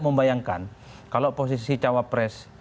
membayangkan kalau posisi cawapres